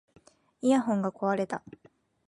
イヤホンが壊れた